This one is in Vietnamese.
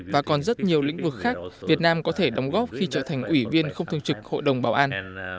và còn rất nhiều lĩnh vực khác việt nam có thể đóng góp khi trở thành ủy viên không thường trực hội đồng bảo an